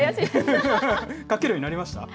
書けるようになりました？